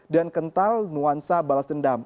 dan kental nuansa balas dendam